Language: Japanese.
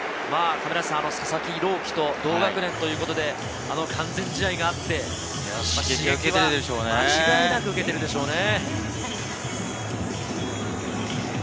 佐々木朗希と同学年ということで、あの完全試合があって、刺激は間違いなく受けているでしょうね。